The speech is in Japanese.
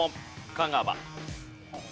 香川。